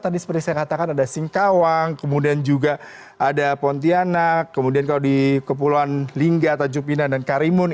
tadi seperti saya katakan ada singkawang kemudian juga ada pontianak kemudian kalau di kepulauan lingga tanjung pinang dan karimun